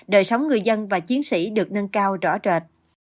đời sống người dân và chiến sĩ được nâng cao rõ rệt